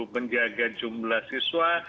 menjaga jumlah siswa